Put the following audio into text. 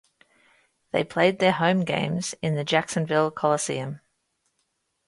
They played their home games in the Jacksonville Coliseum.